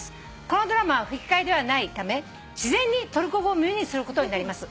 「このドラマは吹き替えではないため自然にトルコ語を耳にすることになります」